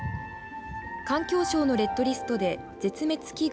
環境省のレッドリストで絶滅危惧